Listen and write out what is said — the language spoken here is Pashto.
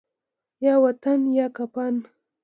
یا وطن یا کفن